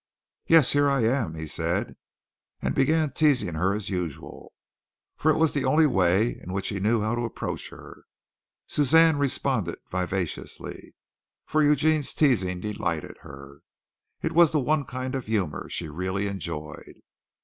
"Yes, here I am," he said, and began teasing her as usual, for it was the only way in which he knew how to approach her. Suzanne responded vivaciously, for Eugene's teasing delighted her. It was the one kind of humor she really enjoyed.